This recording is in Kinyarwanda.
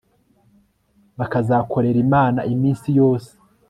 bakazakorera imana iminsi yose